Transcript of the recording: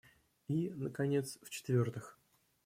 И, наконец, в-четвертых.